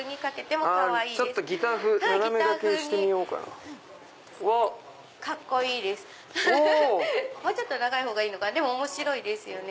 もうちょっと長いほうがいいかなでも面白いですよね。